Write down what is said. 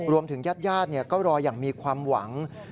รวมถึงญาติก็รออย่างมีความหวัง